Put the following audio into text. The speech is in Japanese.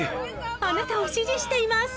あなたを支持しています！